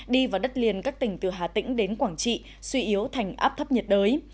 đi vào đất liền các tỉnh từ hà tĩnh đến quảng trị suy yếu thành áp thấp nhiệt đới